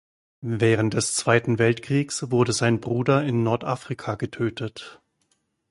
Während des Zweiten Weltkriegs wurde sein Bruder in Nordafrika getötet.